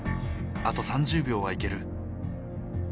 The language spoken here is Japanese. あと３０秒はいける。